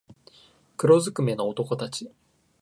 黒づくめの男たち